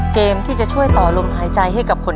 เกมที่จะช่วยต่อลมหายใจให้กับคน